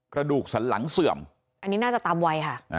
กระดูกสันหลังเสื่อมอันนี้น่าจะตามวัยค่ะ